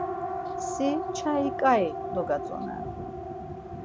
Si çai ǩai dogatzonen.